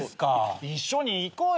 一緒に行こうよ。